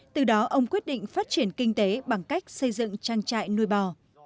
từ đó ông quyết định phát triển kinh tế bằng cách xây dựng trang trại nuôi bò